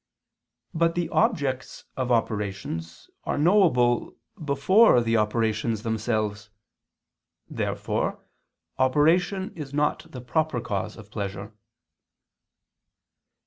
But the objects of operations are knowable before the operations themselves. Therefore operation is not the proper cause of pleasure.